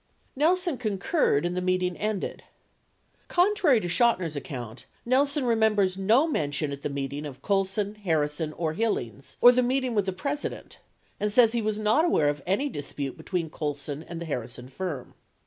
84 Nelson concurred and the meet ing ended. Contrary to Chotiner's account, Nelson remembers no men tion at the meeting of Colson, Harrison, or Hillings, or the meeting with the President, and says he was not aware of any dispute between Colson and the Harrison firm.